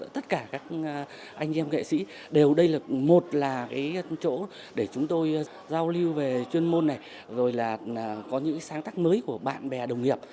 tất cả các anh em nghệ sĩ đều đây là một là cái chỗ để chúng tôi giao lưu về chuyên môn này rồi là có những sáng tác mới của bạn bè đồng nghiệp